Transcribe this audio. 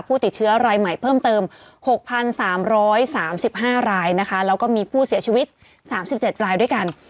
ผู้ติดเชื้อรายใหม่เพิ่มเติม๖๓๓๕รายนะคะแล้วก็มีผู้เสียชีวิต๓๗รายด้วยกัน